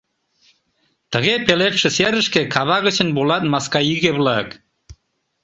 Тыге пеледше серышке Кава гычын волат Маскаиге-влак.